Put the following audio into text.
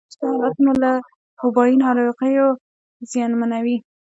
جهالت موږ له وبایي ناروغیو زیانمنوي.